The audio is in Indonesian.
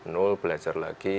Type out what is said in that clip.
nol belajar lagi